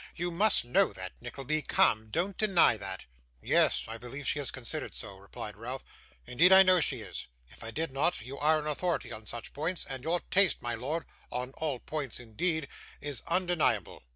'You must know that, Nickleby. Come, don't deny that.' 'Yes, I believe she is considered so,' replied Ralph. 'Indeed, I know she is. If I did not, you are an authority on such points, and your taste, my lord on all points, indeed is undeniable.